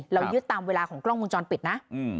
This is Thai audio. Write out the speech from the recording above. เรายึดตามเวลาของกล้องวงจรปิดนะ